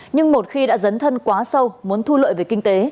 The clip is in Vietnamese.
nhưng một khi đã dấn thân quá sâu muốn thu lợi về kinh tế